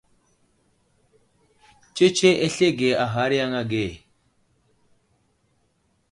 Tsetse aslege a ghar yaŋ age.